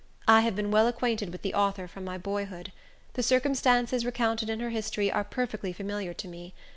I have been well acquainted with the author from my boyhood. The circumstances recounted in her history are perfectly familiar to me.